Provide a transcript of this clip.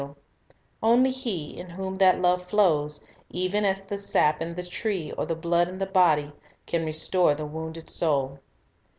only Love Only he in whom that love flows, even as the sap in Can Restore .. the tree or the blood in the body, can restore the wounded soul.